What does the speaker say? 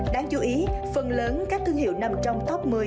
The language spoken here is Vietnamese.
đáng chú ý phần lớn các thương hiệu nằm trong top một mươi